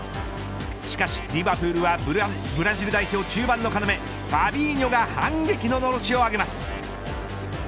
しかしリヴァプールはブラジル代表中盤の要ファビーニョが反撃の、のろしを上げます。